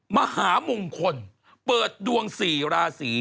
มหามงคลเปิดดวง๔ราศี